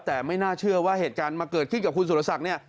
แต่ไม่น่าเชื่อว่าเหตุการณ์มาเกิดขึ้นกับคุณสุรศักดิ์เนี่ย